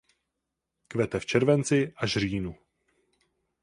Kvete v červenci až říjnu.